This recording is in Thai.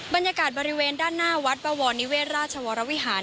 บรรยากาศบริเวณด้านหน้าวัดบวรนิเวศราชวรวิหาร